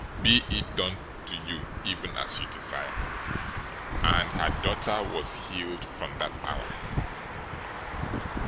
Be it done to you even as you desire." And her daughter was healed from that hour.